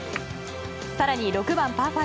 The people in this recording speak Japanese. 更に６番、パー５。